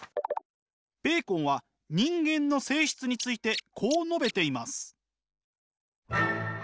ベーコンは人間の性質についてこう述べています。